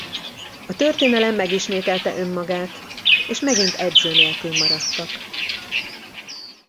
A történelem megismételte önmagát és megint edző nélkül maradtak.